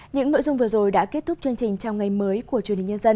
những nội dung vừa rồi đã kết thúc chương trình chào ngày mới của truyền hình nhân dân